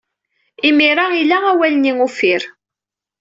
Imir-a, ila awal-nni uffir.